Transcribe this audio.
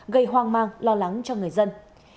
gây hoang mang lo lắng cho người dân